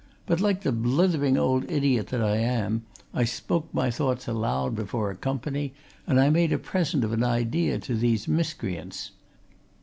But like the blithering old idiot that I am, I spoke my thoughts aloud before a company, and I made a present of an idea to these miscreants.